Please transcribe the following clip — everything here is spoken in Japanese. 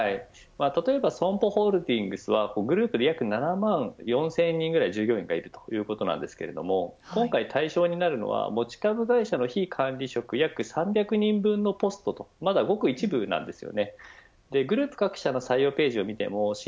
例えばＳＯＭＰＯホールディングスはグループで約７万４０００人ぐらい従業員がいるということですが今回対象になるのは持ち株会社の非管理職約３００人分のポストです。